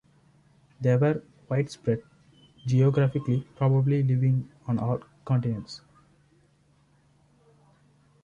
They were widespread geographically, probably living on all continents.